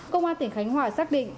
công an tỉnh khánh hòa xác định